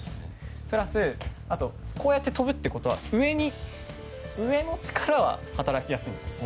プラスこうやって跳ぶということは上の力は働きやすいんですよ。